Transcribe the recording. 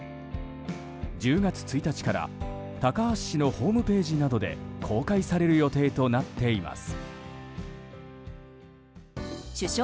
１０月１日から高梁市のホームページなどで公開される予定となっています。